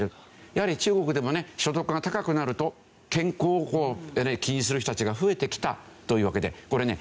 やはり中国でもね所得が高くなると健康を気にする人たちが増えてきたというわけでこれね